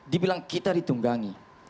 dibilang kita ditunggangi